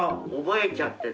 覚えちゃって。